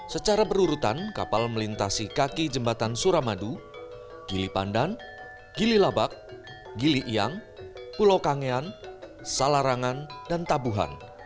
secara berurutan kapal melintasi kaki jembatan suramadu gili pandan gili labak gili iang pulau kangean salarangan dan tabuhan